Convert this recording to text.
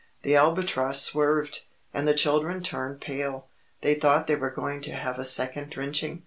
The Albatross swerved, and the children turned pale they thought they were going to have a second drenching.